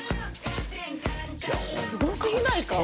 すごすぎないか？